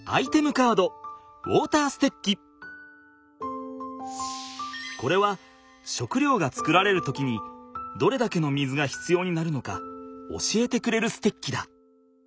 カードこれは食料が作られる時にどれだけの水が必要になるのか教えてくれるステッキだ。